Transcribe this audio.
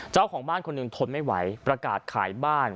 เจ้าของบ้านคนหนึ่งทนไม่ไหวประกาศขายบ้าน